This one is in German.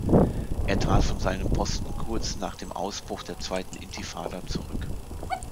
Er trat von seinem Posten kurz nach dem Ausbruch der zweiten Intifada zurück.